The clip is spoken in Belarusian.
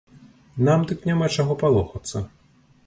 Нам дык няма чаго палохацца.